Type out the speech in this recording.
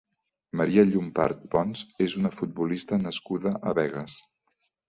Maria Llompart Pons és una futbolista nascuda a Begues.